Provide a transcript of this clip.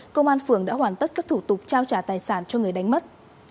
công an phường đã hoàn tất các thủ tục trao trả tài sản cho người đánh mất